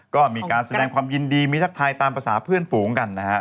ก็มีการแสดงความยินดีมีทักทายตามภาษาเพื่อนฝูงกันนะฮะ